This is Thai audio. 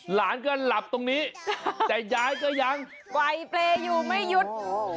หลานก็หลับตรงนี้แต่ยายก็ยังไหวเปรย์อยู่ไม่หยุด